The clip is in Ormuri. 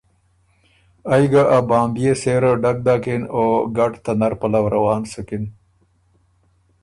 ائ ګه ا بامبيې سېره ډک داکِن او ګډ ته نر پلؤ روان سُکِن۔